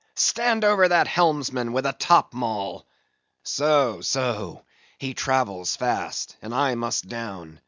Stand over that helmsman with a top maul! So, so; he travels fast, and I must down.